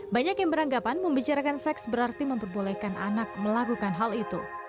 banyak yang beranggapan membicarakan seks berarti memperbolehkan anak melakukan hal itu